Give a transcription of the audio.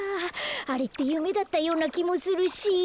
あれってゆめだったようなきもするし。